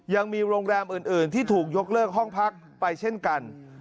ยังมีโรงแรมอื่นที่ถูกยกเลิกห้องพักไปเช่นกัน